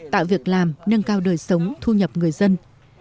tạo việc làm nâng cao đời sống thu nhập người dân